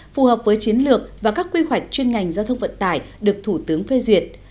phù hợp với chiến lược và các quy hoạch chuyên ngành giao thông vận tải được thủ tướng phê duyệt